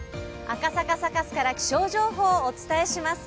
赤坂サカスから気象情報をお伝えします。